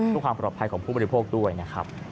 เพื่อความปลอดภัยของผู้บริโภคด้วยนะครับ